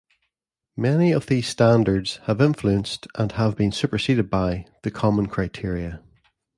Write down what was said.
Many of these standards have influenced, and have been superseded by, the Common Criteria.